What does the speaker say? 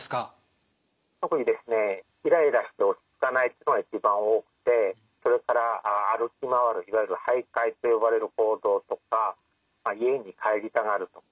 特にですねイライラして落ち着かないってのは一番多くてそれから歩き回るいわゆる徘徊と呼ばれる行動とか家に帰りたがると。